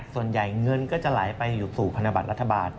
ส่วนใหญ่เงินก็จะไหลไปอยู่สู่ธนบัตรรัฐบาล